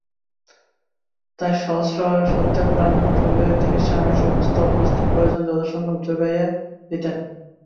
তাই সহস্র অভাব সত্ত্বেও প্রাণপণ শক্তিতে তিনি স্বামীর সমস্ত অভ্যস্ত প্রয়োজন যথাসম্ভব জোগাইয়া দিতেন।